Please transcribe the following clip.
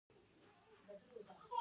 د ګرځندوی وده د دوی هدف دی.